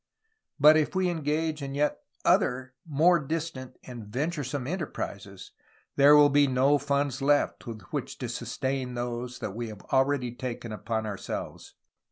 But if we engage in other yet more distant and ven turesome enterprises, there will be no funds left with which to sustain those that we have already taken upon ourselves."